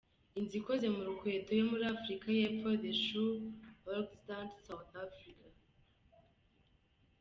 Inzu ikoze mu rukweto yo muri Afurika y’ Epfo “The Shoe Orhigstad, south Africa”.